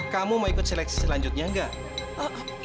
kamu mau ikut seleksi selanjutnya enggak